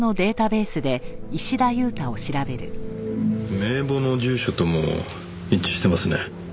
名簿の住所とも一致してますね。